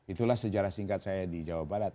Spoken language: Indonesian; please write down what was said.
itulah sejarah singkat saya di jawa barat